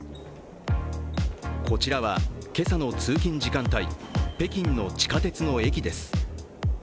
こちらは今朝の通勤時間帯、北京の地下鉄の液です。